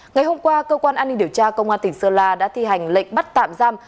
ngày hôm qua cơ quan an ninh điều tra công an tỉnh sơn la đã thi hành lệnh bắt tạm giam